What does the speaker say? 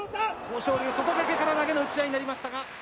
豊昇龍、外掛けから投げの打ち合いになりましたが。